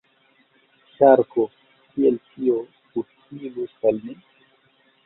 Ŝarko: "Kiel tio utilus al mi?"